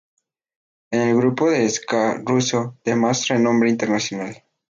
Es el grupo de ska ruso de más renombre internacional.